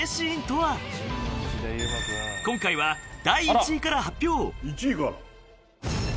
今回は第１位から発表１位から？